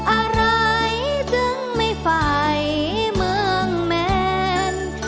อะไรซึ่งไม่ไฟเมืองแมน